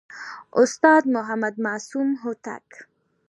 استاد محمد معصوم هوتک